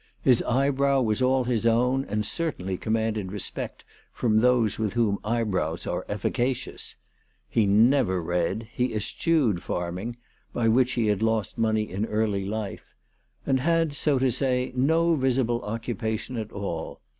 His eyebrow was all his own, and certainly commanded respect from those with whom eyebrows are efficacious. He never read ; he eschewed farming, by which he had lost money in early life ; and had, so to say, no visible occupation at all.